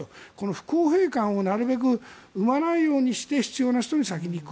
不公平感をなるべく生まないようにして必要な人に先に行く。